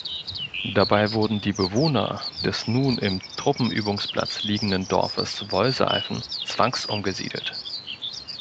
Dabei wurden die Bewohner des nun im Truppenübungsplatz liegenden Dorfes Wollseifen zwangsumgesiedelt.